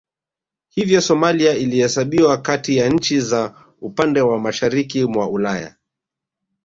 Hivyo Somalia ilihesabiwa kati ya nchi za upande wa mashariki mwa Ulaya